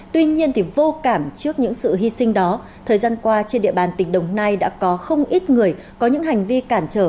tuy nhiên thì vô cảm trước những sự hy sinh đó thời gian qua trên địa bàn tỉnh đồng nai đã có không ít người có những hành vi cản trở